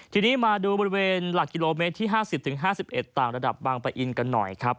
ทีนี้มาดูบริเวณหลักกิโลเมตรที่๕๐๕๑ต่างระดับบางปะอินกันหน่อยครับ